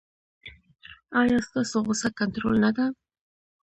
ایا ستاسو غوسه کنټرول نه ده؟